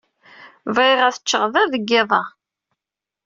Bɣiɣ ad ččeɣ da deg yiḍ-a.